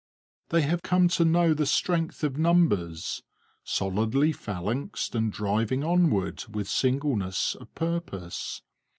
They have come to know the strength of numbers, solidly phalanxed and driving onward with singleness of purpose.